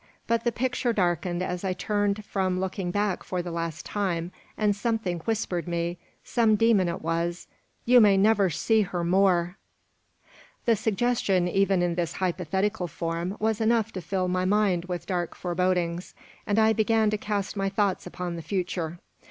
But the picture darkened as I turned from looking back for the last time, and something whispered me, some demon it was, "You may never see her more!" The suggestion, even in this hypothetical form, was enough to fill my mind with dark forebodings, and I began to cast my thoughts upon the future.